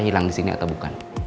hilang disini atau bukan